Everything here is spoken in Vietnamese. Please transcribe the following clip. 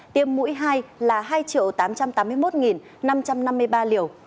tiêm mũi hai là hai tám trăm tám mươi một năm trăm năm mươi ba liều